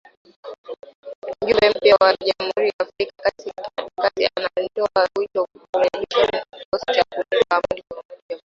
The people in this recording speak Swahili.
Mjumbe mpya wa Jamhuri ya Afrika Kati anatoa wito wa kurekebishwa kikosi cha kulinda amani cha Umoja wa Mataifa.